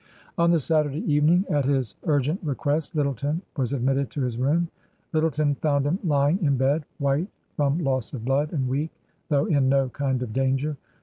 On the Saturday evening at his urgent request Lyttleton was admitted to his room. Lyttleton found him lying in bed, white from loss of blood and weak, though in no kind of danger.